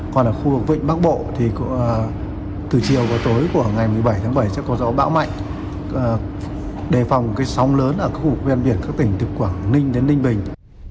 còn ở khu vực vịnh bắc bộ thì từ chiều và tối của ngày một mươi bảy tháng bảy sẽ có gió bão mạnh đề phòng cái sóng lớn ở các khu ven biển các tỉnh từ quảng ninh đến ninh bình